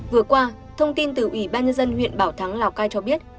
vừa qua thông tin từ ủy ban nhân dân huyện bảo thắng lào cai cho biết